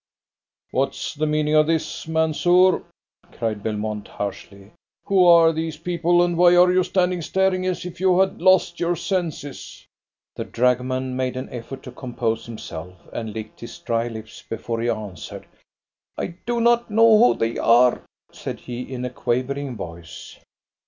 "What's the meaning of this, Mansoor?" cried Belmont harshly. "Who are these people, and why are you standing staring as if you had lost your senses?" The dragoman made an effort to compose himself, and licked his dry lips before he answered. "I do not know who they are," said he in a quavering voice.